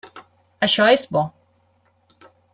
Això és bo.